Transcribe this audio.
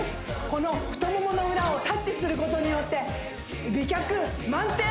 この太ももの裏をタッチすることによって美脚満点！